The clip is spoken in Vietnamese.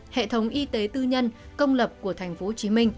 hệ thống y tế tư nhân công lập của tp hcm